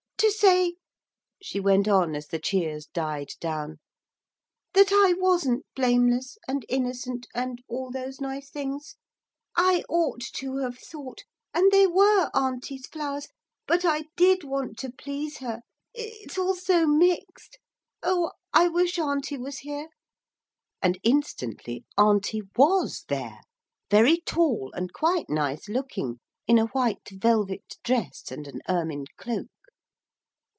'To say,' she went on as the cheers died down, 'that I wasn't blameless, and innocent, and all those nice things. I ought to have thought. And they were Auntie's flowers. But I did want to please her. It's all so mixed. Oh, I wish Auntie was here!' And instantly Auntie was there, very tall and quite nice looking, in a white velvet dress and an ermine cloak.